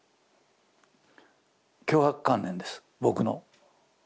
強迫観念です僕の。